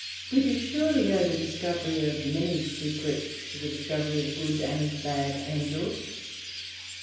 We do surely owe the discovery of many secrets to the discovery of good and bad Angels.